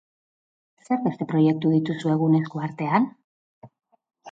Zer beste proiektu dituzu egun esku artean?